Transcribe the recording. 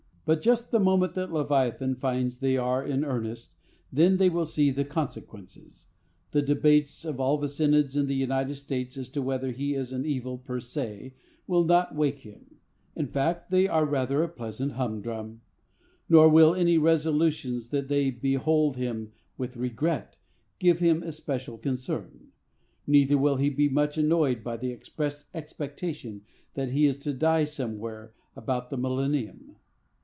But just the moment that Leviathan finds they are in earnest, then they will see the consequences. The debates of all the synods in the United States, as to whether he is an evil per se, will not wake him. In fact, they are rather a pleasant humdrum. Nor will any resolutions that they "behold him with regret" give him especial concern; neither will he be much annoyed by the expressed expectation that he is to die somewhere about the millennium.